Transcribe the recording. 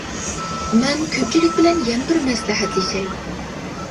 مەن كۆپچىلىك بىلەن يەنە بىر مەسلىھەتلىشەي.